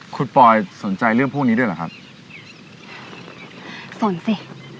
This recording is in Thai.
คุณปอยสนใจเรื่องพวกนี้ด้วยเหรอครับสนสิ